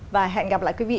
và hẹn gặp lại quý vị